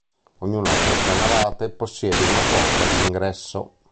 Ognuna delle tre navate possiede una porta di ingresso.